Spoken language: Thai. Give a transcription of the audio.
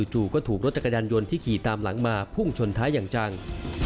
จู่ก็ถูกรถจักรยานยนต์ที่ขี่ตามหลังมาพุ่งชนท้ายอย่างจัง